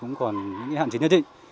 ngày hôm nay cũng còn những hạn chế nhất định